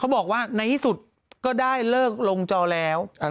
บอกว่าในที่สุดก็ได้เลิกลงจอแล้ว